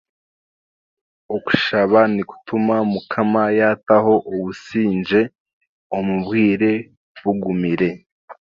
Okushaba nikutuma mukama yaataho obusingye omu bwire bugumire